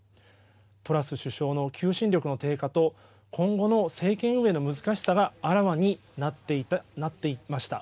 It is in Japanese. トラス首相の求心力の低下と今後の政権運営の難しさがあらわになっていました。